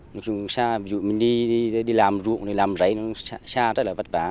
nói chung xa ví dụ mình đi làm ruộng làm ráy xa rất là vất vả